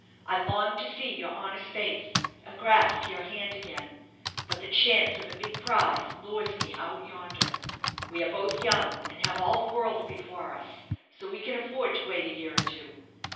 I long to see your honest face, and grasp your hand again; but the chance of a big prize lures me out yonder. We are both young, and have all the world before us, so we can afford to wait a year or two.